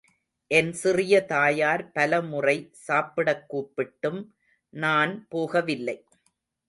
என் சிறிய தாயார் பல முறை சாப்பிடக்கூப்பிட்டும் நான் போகவில்லை.